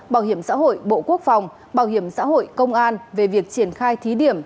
bảo hiểm xã hội bộ quốc phòng bảo hiểm xã hội công an về việc triển khai thí điểm